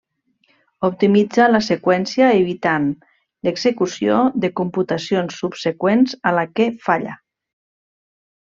Optimitza la seqüència evitant l'execució de computacions subseqüents a la que falla.